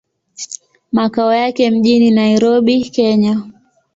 Makao yake mjini Nairobi, Kenya.